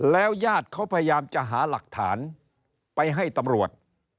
แล้วญาติเขาพยายามจะหาหลักฐานไปให้ตำรวจ